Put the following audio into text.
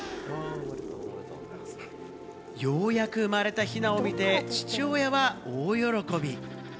ようやく生まれたヒナを見て父親は大喜び。